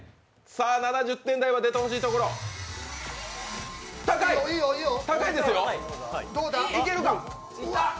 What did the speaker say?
７０点台は出て欲しいところ、高いですよ！